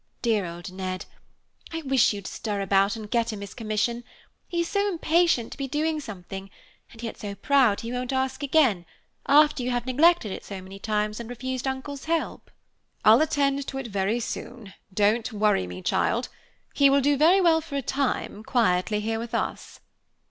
Dear old Ned! I wish you'd stir about and get him his commission. He is so impatient to be doing something and yet so proud he won't ask again, after you have neglected it so many times and refused Uncle's help." "I'll attend to it very soon; don't worry me, child. He will do very well for a time, quietly here with us."